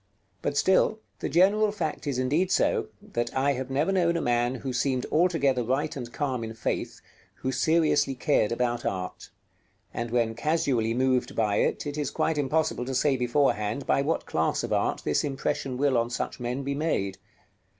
But still, the general fact is indeed so, that I have never known a man who seemed altogether right and calm in faith, who seriously cared about art; and when casually moved by it, it is quite impossible to say beforehand by what class of art this impression will on such men be made.